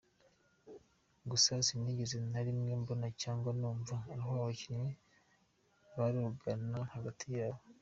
Gusa sinigeze na rimwe mbona cyangwa numva aho abakinnyi baroganaga hagati yabo.